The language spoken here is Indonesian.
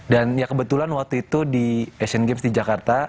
dan ya kebetulan waktu itu di asian games di jakarta